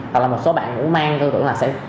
hoặc là một số bạn cũng mang tư tưởng là sẽ